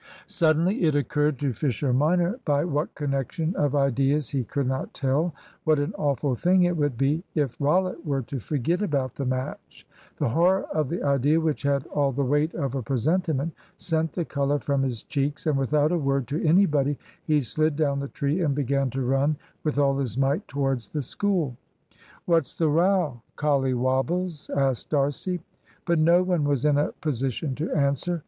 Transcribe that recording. Suddenly it occurred to Fisher minor, by what connection of ideas he could not tell, what an awful thing it would be if Rollitt were to forget about the match. The horror of the idea, which had all the weight of a presentiment, sent the colour from his cheeks, and without a word to anybody he slid down the tree and began to run with all his might towards the school. "What's the row collywobbles!" asked D'Arcy. But no one was in a position to answer.